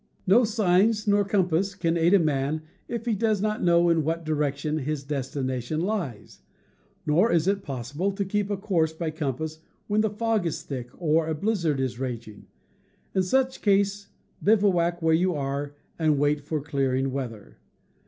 No signs nor compass can aid a man if he does not know in what direction his destination lies; nor is it possible to keep a course by compass ^" when the fog is thick or a blizzard is raging. In such case, bivouac where you are, and wait for clearing weather.